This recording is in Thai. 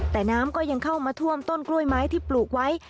แต่น้ำก็ยังเข้ามาท่วมต้นกล้วยไม้ที่ปลูกไว้